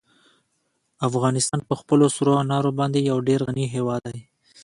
افغانستان په خپلو سرو انارو باندې یو ډېر غني هېواد دی.